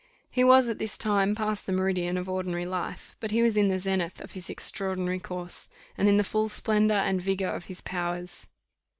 He was at this time past the meridian of ordinary life, but he was in the zenith of his extraordinary course, and in the full splendour and vigour of his powers.